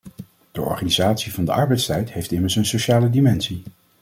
De organisatie van de arbeidstijd heeft immers een sociale dimensie.